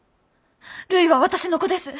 るいは私の子です。